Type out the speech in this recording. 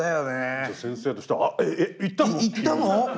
じゃあ先生としては「え行ったの⁉」って。